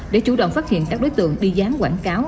để chủ động phát hiện các đối tượng đi dán quảng cáo